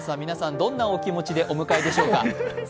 皆さん、どんなお気持ちでしょうか。